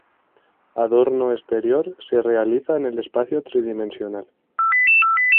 Adorno exterior se realiza en el espacio tridimensional.